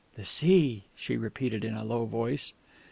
"The sea," she repeated in a low voice.